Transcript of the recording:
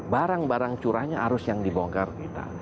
barang barang curahnya harus yang dibongkar kita